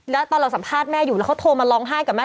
แล้วตอนเราสัมภาษณ์แม่อยู่แล้วเขาโทรมาร้องไห้กับแม่